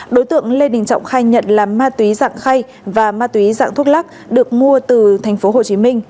đối tượng lê đình trọng khai nhận là ma túy dạng khay và ma túy dạng thuốc lắc được mua từ thành phố hồ chí minh